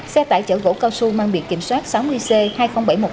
xe tải chở gỗ cao su mang biện kinh soát sáu mươi c hai mươi nghìn bảy trăm một mươi hai